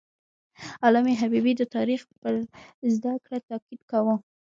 علامه حبیبي د تاریخ پر زده کړه تاکید کاوه.